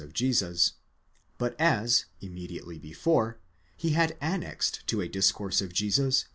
of Jesus ;!° but as, immediately before, he had annexed to a discourse of Jesus.